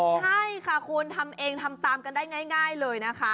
ใช่ค่ะคุณทำเองทำตามกันได้ง่ายเลยนะคะ